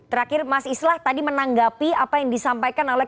terakhir mas islah tadi menanggapi apa yang disampaikan oleh